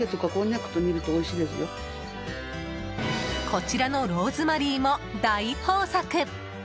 こちらのローズマリーも大豊作。